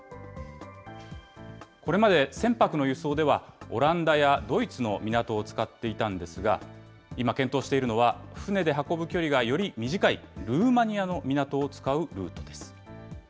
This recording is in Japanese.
これまで船舶の輸送ではオランダやドイツの港を使っていたんですが、今、検討しているのは船で運ぶ距離がより短いルーマニアの港を使うルートです。